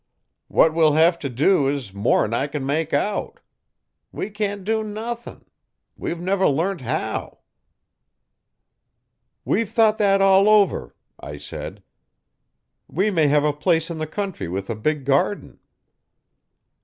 What we'll hev if do is more'n I can make out. We can't do nuthin; we've never learnt how." 'We've thought that all over,' I said. 'We may have a place in the country with a big garden.